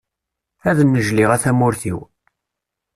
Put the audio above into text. Ad nnejliɣ a tamurt-iw.